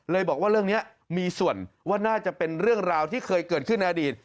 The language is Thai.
บอกว่าเรื่องนี้มีส่วนว่าน่าจะเป็นเรื่องราวที่เคยเกิดขึ้นในอดีต